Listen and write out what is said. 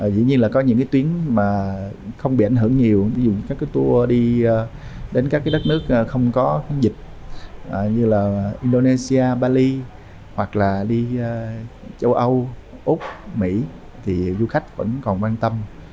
dĩ nhiên là có những cái tuyến mà không bị ảnh hưởng nhiều ví dụ các cái tour đi đến các đất nước không có dịch như là indonesia bali hoặc là đi châu âu úc mỹ thì du khách vẫn còn quan tâm